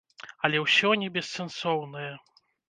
Але ўсё не бессэнсоўнае.